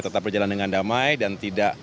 tetap berjalan dengan damai dan tidak